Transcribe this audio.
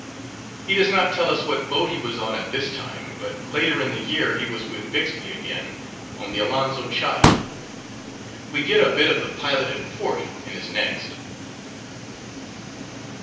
He does not tell us what boat he was on at this time, but later in the year he was with Bixby again, on the Alonzo Child. We get a bit of the pilot in port in his next.